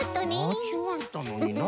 まちがえたのにな。